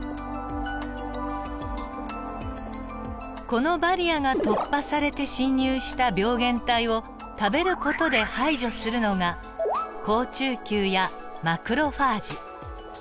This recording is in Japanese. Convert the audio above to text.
このバリアが突破されて侵入した病原体を食べる事で排除するのが好中球やマクロファージ。